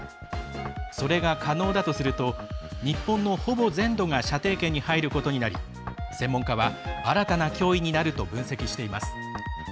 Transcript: それが可能だとすると日本のほぼ全土が射程圏に入ることになり専門家は新たな脅威になると分析しています。